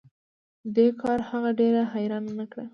دې کار هغه ډیره حیرانه نه کړه